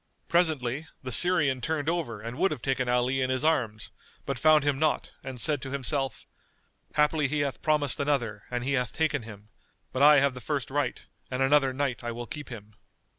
Presently the Syrian turned over and would have taken Ali in his arms, but found him not and said to himself, "Haply he hath promised another and he hath taken him; but I have the first right and another night I will keep him."